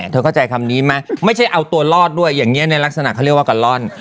เธอเข้าใจคำนี้ไหมไม่ใช่เอาตัวรอดด้วยอย่างเงี้ยแรกศนาเขาเรียกว่ากันร่อน